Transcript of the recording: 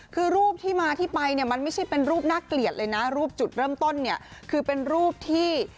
คือรูปที่มาที่ไปเนี่ยมันไม่ใช่เป็นรูปน่าเกลียดเลยนะรูปจุดเริ่มต้นเนี่ยคือเป็นรูปที่